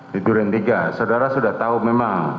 di duren tiga saudara sudah tahu memang